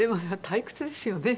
退屈ですよね。